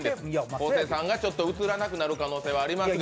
昴生さんが映らなくなる可能性はありますが。